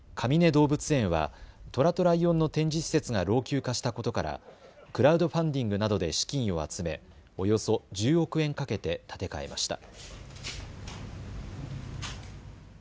動物園はトラとライオンの展示施設が老朽化したことからクラウドファンディングなどで資金を集め、およそ１０億円かけて建て替えました。